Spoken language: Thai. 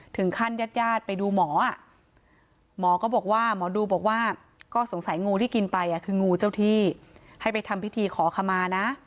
ญาติญาติไปดูหมอหมอก็บอกว่าหมอดูบอกว่าก็สงสัยงูที่กินไปคืองูเจ้าที่ให้ไปทำพิธีขอขมานะ